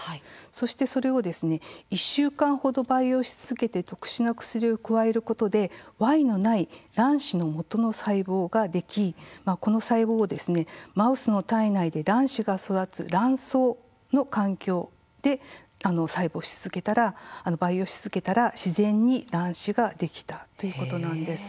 そして、それを１週間程培養し続けて特殊な薬を加えることでＹのない卵子の元の細胞ができこの細胞マウスの体内で卵子が育つ卵巣の環境で培養し続けたら自然に卵子ができたということなんです。